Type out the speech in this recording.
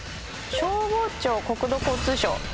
消防庁国土交通省。